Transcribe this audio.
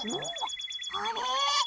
あれ？